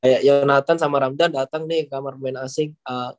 kayak yonatan sama ramdhan datang nih kamar pemain asing